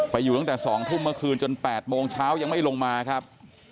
อยู่ตั้งแต่๒ทุ่มเมื่อคืนจน๘โมงเช้ายังไม่ลงมาครับ